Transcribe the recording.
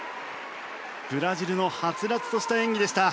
ブラジルのはつらつとした演技でした。